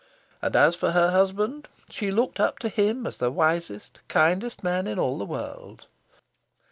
And as for her husband, she looked up to him as the wisest, kindest man in all the world."